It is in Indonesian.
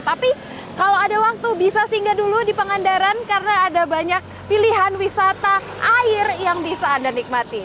tapi kalau ada waktu bisa singgah dulu di pangandaran karena ada banyak pilihan wisata air yang bisa anda nikmati